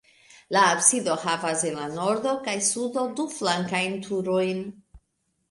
La absido havas en la nordo kaj sudo du flankajn turojn.